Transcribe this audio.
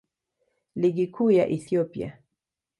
Ligi Kuu ya Ethiopia.